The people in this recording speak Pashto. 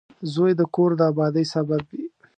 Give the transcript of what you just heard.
• زوی د کور د آبادۍ سبب وي.